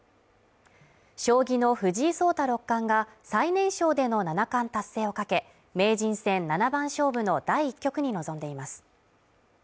将棋の藤井聡太六冠が最年少での七冠達成をかけ、名人戦七番勝負の第１局に臨んでいます。